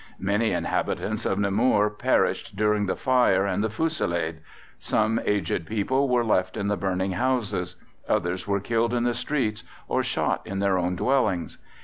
Many inhabitants of Namur perished during the fire and the fusillade. Some aged people were left in the burning houses: others were killed in the streets, or shot in their own dwellings.